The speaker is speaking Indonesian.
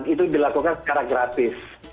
itu dilakukan secara gratis